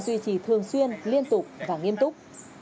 duy trì thường xuyên liên tục và nghiêm túc